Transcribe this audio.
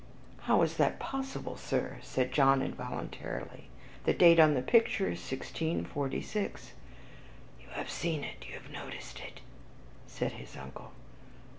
"How is that possible, Sir?" said John involuntarily, "the date on the picture is 1646." "You have seen it, you have noticed it," said his uncle.